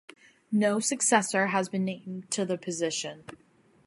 No successor has been named to the position.